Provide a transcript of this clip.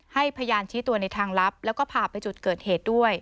พยานชี้ตัวในทางลับแล้วก็พาไปจุดเกิดเหตุด้วย